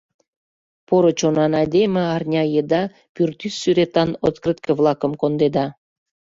Поро чонан айдеме арня еда пӱртӱс сӱретан открытке-влакым кондеда.